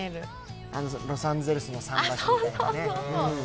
ロサンゼルスの桟橋みたいなね。